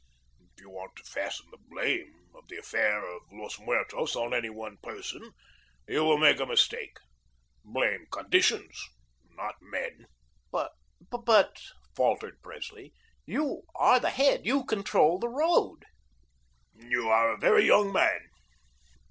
If you want to fasten the blame of the affair at Los Muertos on any one person, you will make a mistake. Blame conditions, not men." "But but," faltered Presley, "you are the head, you control the road." "You are a very young man.